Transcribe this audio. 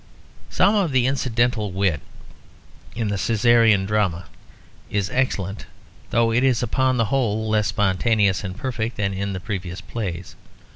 Some of the incidental wit in the Cæsarian drama is excellent although it is upon the whole less spontaneous and perfect than in the previous plays.